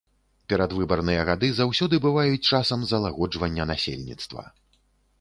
Перадвыбарныя гады заўсёды бываюць часам залагоджвання насельніцтва.